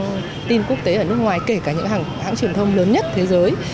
các tin quốc tế ở nước ngoài kể cả những hãng truyền thông lớn nhất thế giới